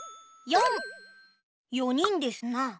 ４にんですな。